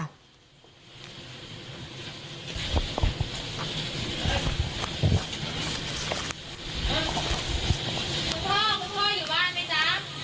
พ่อพ่ออยู่บ้านไหมจ๊ะ